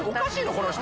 この人。